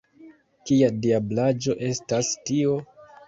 Kia diablaĵo estas tio?